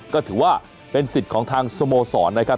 ก็ถือว่าเป็นสิทธิ์ของทางสโมสรนะครับ